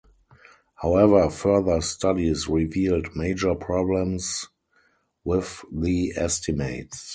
However, further studies revealed major problems with the estimates.